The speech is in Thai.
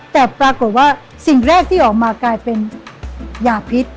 แต่ปรากฏว่าสิ่งแรกที่ออกมากลายเป็นยาพิษ